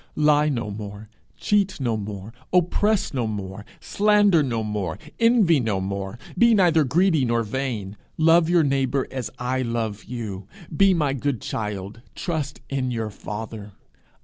Lie no more; cheat no more; oppress no more; slander no more; envy no more; be neither greedy nor vain; love your neighbour as I love you; be my good child; trust in your father.